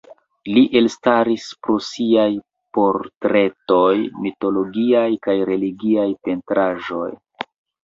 Li elstaris pro siaj portretoj, mitologiaj kaj religiaj pentraĵoj.